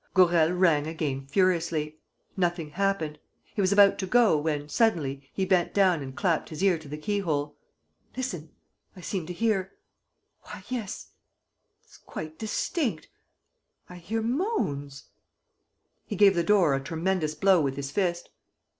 Gourel rang again furiously. Nothing happened. He was about to go when, suddenly, he bent down and clapped his ear to the keyhole: "Listen. ... I seem to hear ... Why, yes ... it's quite distinct. ... I hear moans. ..." He gave the door a tremendous blow with his fist.